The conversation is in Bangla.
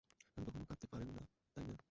আপনি কখনো কাঁদতে পারেন না, তাই না?